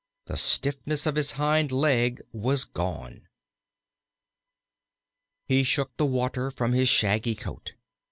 The stiffness of his hind leg was gone. He shook the water from his shaggy coat.